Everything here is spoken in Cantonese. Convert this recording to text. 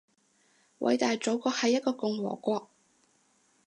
偉大祖國係一個共和國